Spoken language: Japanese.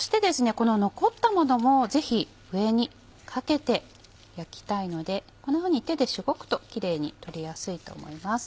この残ったものもぜひ上にかけて焼きたいのでこんなふうに手でしごくとキレイに取りやすいと思います。